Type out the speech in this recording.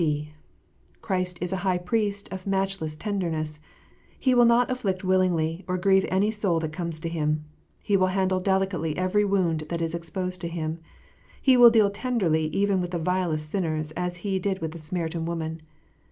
(d) Christ is a High Priest of matchless tenderness. He will not afflict willingly, or grieve any soul that comes to Him. He will handle delicately every wound that is exposed to Him. He will deal tenderly even with the vilest sinners, as He did with the Samaritan woman.